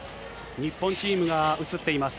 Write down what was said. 日本チームが映っています。